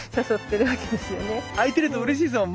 開いてるとうれしいですもん。